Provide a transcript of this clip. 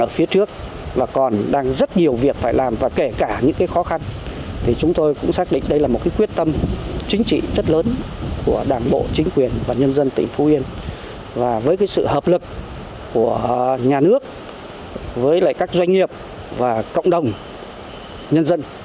phụ yên đang có nhiều cơ hội lớn để cất cánh